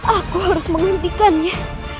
aku harus menghentikannya